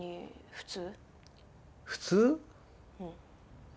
普通。